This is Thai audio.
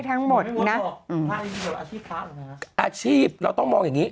อาชีพเราต้องมองอย่างนี้